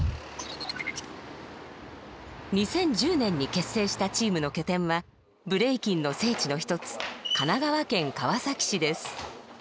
２０１０年に結成したチームの拠点はブレイキンの聖地の一つ神奈川県川崎市です。